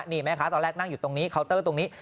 นี่แม่ค้าตอนแรกนั่งอยู่ตรงนี้เคาน์เตอร์ตรงนี้